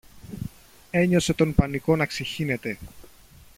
Ένιωσε τον πανικό να ξεχύνεται